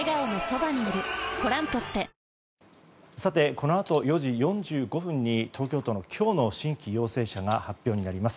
このあと４時４５分に東京都の今日の新規陽性者が発表になります。